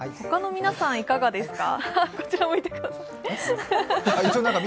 皆さん、いかがですか。